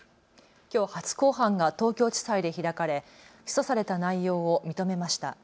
きょう初公判が東京地裁で開かれ起訴された内容を認めました。